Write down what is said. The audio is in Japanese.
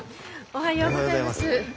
おはようございます。